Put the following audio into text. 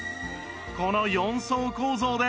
この４層構造で